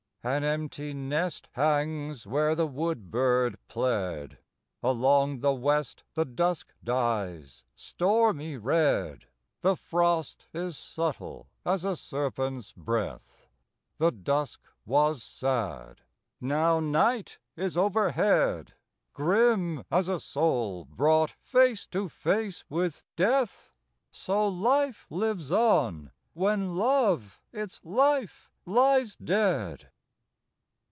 An empty nest hangs where the wood bird pled; Along the west the dusk dies, stormy red: The frost is subtle as a serpent's breath. The dusk was sad; now night is overhead, Grim as a soul brought face to face with death So life lives on when love, its life, lies dead.